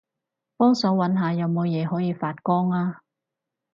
幫手搵下有冇嘢可以發光吖